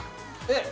えっ！